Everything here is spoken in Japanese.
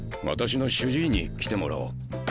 私の主治医に来てもらおう。